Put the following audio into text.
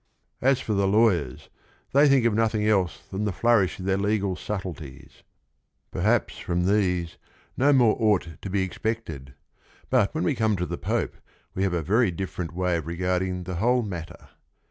As for the lawyers, they think of nothing else than the flourish of their legal sub tleties. Perhaps from these no more ought to be expected, but when we co me to the P ope we have a ver y different way of regarding t he whole matter.